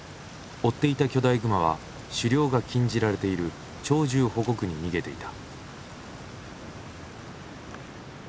追っていた巨大熊は狩猟が禁じられている鳥獣保護区に逃げていた。